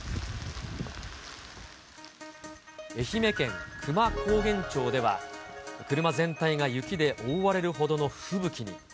愛媛県久万高原町では、車全体が雪で覆われるほどの吹雪に。